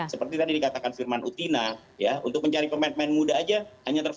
seperti tadi dikatakan firman utina ya untuk mencari pemain pemain muda aja hanya tersedia